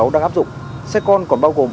đang áp dụng xe con còn bao gồm